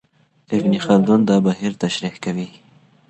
ابن خلدون دا بهير تشريح کوي.